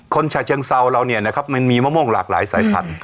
คนชาเชิงเซาเรามีมะม่วงหลากหลายสายพันธุ์